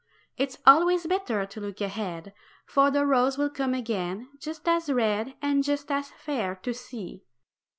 It always better to look ahead, For the rose will come again just as red And just as fair to see.